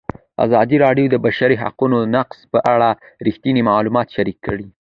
ازادي راډیو د د بشري حقونو نقض په اړه رښتیني معلومات شریک کړي.